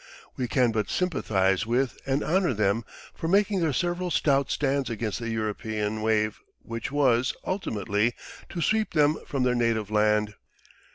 We can but sympathize with and honor them for making their several stout stands against the European wave which was ultimately to sweep them from their native land.